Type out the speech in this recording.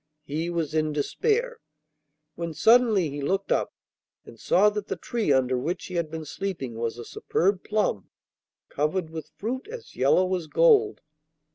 He was in despair, when suddenly he looked up and saw that the tree under which he had been sleeping was a superb plum, covered with fruit as yellow as gold.